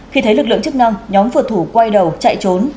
khi thấy lực lượng chức năng nhóm vượt thủ quay đầu chạy trốn